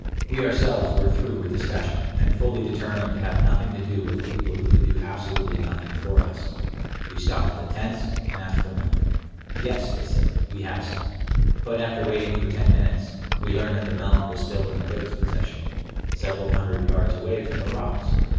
We ourselves were through with discussion, and fully determined to have nothing to do with a people who could do absolutely nothing for us. We stopped at the tents, and asked for milk. "Yes," they said; "we have some": but after waiting for ten minutes, we learned that the milk was still in the goats' possession, several hundred yards away among the rocks.